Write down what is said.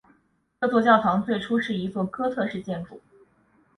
这座教堂最初是一座哥特式建筑。